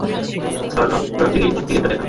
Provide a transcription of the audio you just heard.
Sir, আপনার টিকেটটা দেখান।